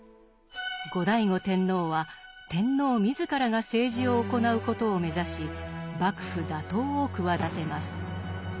後醍醐天皇は天皇自らが政治を行うことを目指し幕府打倒を企てます。